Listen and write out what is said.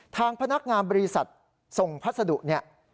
ทางพนักงานบริษัทส่งพัสดุเนี่ย